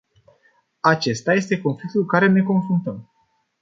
Acesta este conflictul cu care ne confruntăm.